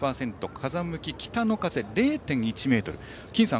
風向き北の風０．１メートル。